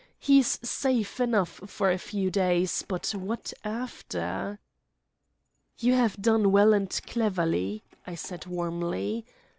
He's safe enough for a few days, but what after?" "You have done well and cleverly," I said warmly.